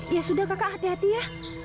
ya sudah kakak hati hati ya